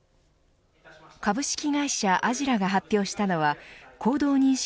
株式会社アジラが発表したのは行動認識